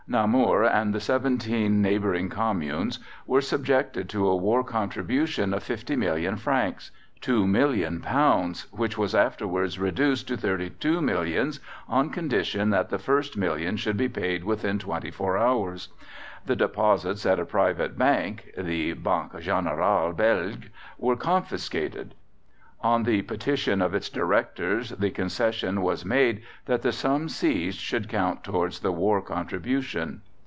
Namur and the seventeen neighbouring communes were subjected to a war contribution of fifty million francs (£2,000,000), which was afterwards reduced to thirty two millions, on condition that the first million should be paid within twenty four hours. The deposits at a private bank (the Banque Generale Belge) were confiscated. On the petition of its directors the concession was made that the sum seized should count towards the war contribution.